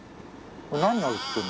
何が写ってるの？